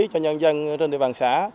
cho nhân dân trên địa bàn xã